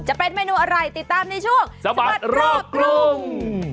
จะเป็นเมนูอะไรติดตามในช่วงสบัดรอบกรุง